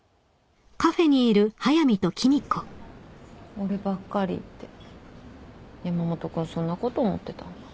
俺ばっかりって山本君そんなこと思ってたんだ。